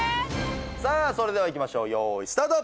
さあそれではいきましょうよーいスタート！